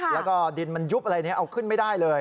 แล้วก็ดินมันยุบอะไรนี้เอาขึ้นไม่ได้เลย